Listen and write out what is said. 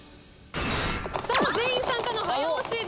さあ全員参加の早押しです。